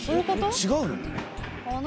違うの？